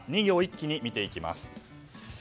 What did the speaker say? ２行一気に見ていきます。